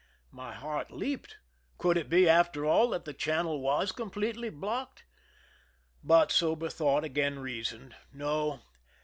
My heart leaped. Could it be, after all, that the channel was completely blocked? But sober thought again reasoned :" No.